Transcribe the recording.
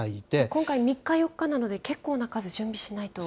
今回、３日、４日なので、けっこうな数準備しないと。